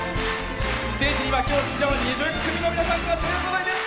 ステージには今日、出場の２０組の皆さんが勢ぞろいです！